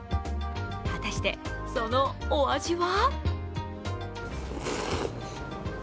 果たして、そのお味は？